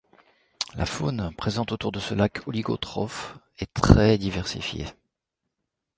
La faune présente autour de ce lac oligotrophe est très diversifiée.